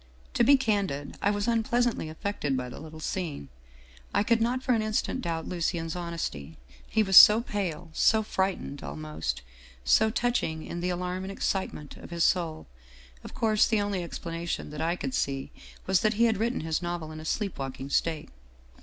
" To be candid, I was unpleasantly affected by the little scene. I could not for an instant doubt Lucien's hon esty, he was so pale, so frightened almost so touching in the alarm and excitement of his soul. Of course the only explanation that I could see was that he had written his novel in a sleep walking state.